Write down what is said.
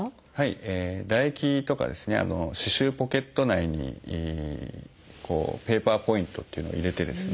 唾液とか歯周ポケット内にペーパーポイントっていうのを入れてですね